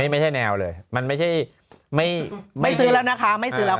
ไม่ใช่แนวเลยมันไม่ใช่ไม่ซื้อแล้วนะคะไม่ซื้อแล้วค่ะ